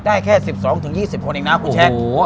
ได้แค่๑๒๒๐คนอีกนะครับคุณแชท